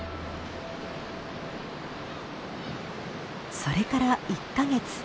それから１か月。